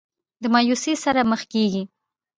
د مايوسۍ سره مخ کيږي